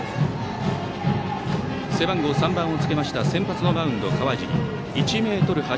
背番号３をつけた先発のマウンド、川尻。